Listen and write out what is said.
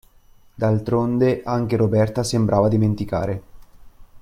D'altronde anche Roberta sembrava dimenticare.